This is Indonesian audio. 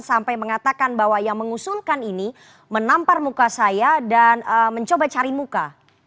sampai mengatakan bahwa yang mengusulkan ini menampar muka saya dan mencoba cari muka